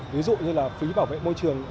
ví dụ như là phí bảo vệ môi trường